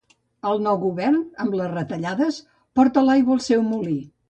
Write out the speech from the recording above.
El nou govern, amb les retallades, porta l'aigua al seu molí.